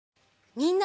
みんな。